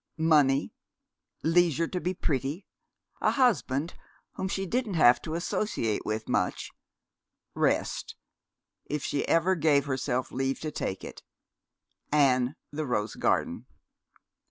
Money, leisure to be pretty, a husband whom she "didn't have to associate with much," rest, if she ever gave herself leave to take it, and the rose garden.